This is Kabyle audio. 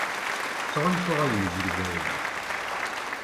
Ttɣunfuɣ ayen zegzawen